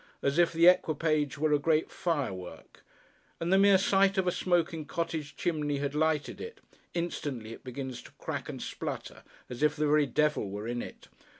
As if the equipage were a great firework, and the mere sight of a smoking cottage chimney had lighted it, instantly it begins to crack and splutter, as if the very devil were in it.